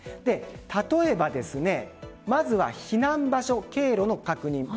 例えばまずは避難場所・経路の確認